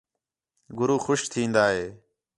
گُرو خوش تِھین٘دا ہِے